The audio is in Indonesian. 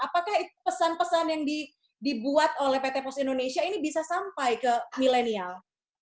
apakah pesan pesan yang dibuat oleh pt pos indonesia ini bisa sampai ke milenial